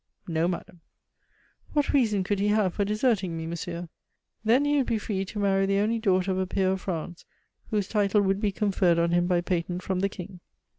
"No, madame." "What reason could he have for deserting me, monsieur?" "That he would be free to marry the only daughter of a peer of France, whose title would be conferred on him by patent from the King."